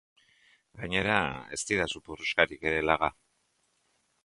Gainera, ez didazu purruxkarik ere laga.